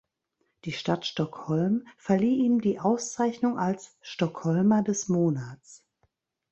Die Stadt Stockholm verlieh ihm die Auszeichnung als "Stockholmer des Monats".